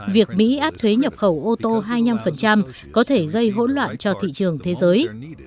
việc mỹ áp thuế nhập khẩu ô tô hai mươi năm có thể gây hỗn loạn cho thị trường thế giới